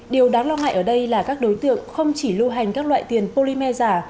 điều đáng lo ngại ở đây là các đối tượng không chỉ lưu hành các loại tiền polymer giả